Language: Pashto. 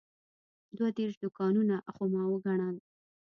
دوه دېرش دوکانونه خو ما وګڼل.